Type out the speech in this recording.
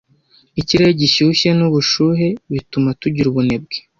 Ikirere gishyushye nubushuhe bituma tugira ubunebwe.